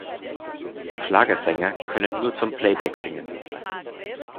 Schlagersänger können nur zum Playback singen.